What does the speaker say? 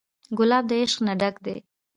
ګلاب د عشق نه ډک دی.